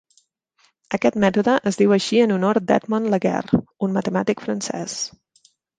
Aquest mètode es diu així en honor d'Edmond Laguerre, un matemàtic francès.